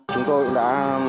chúng tôi đã